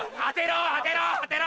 当てろ！